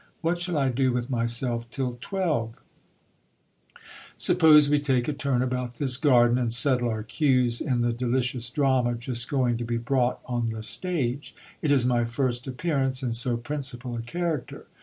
What shall \ do with myself till twelve ? Suppose we take a turn about this garden and set Je our cues in the delicious drama just going to be brought on the stage ; it is my first appearance in so principal a character.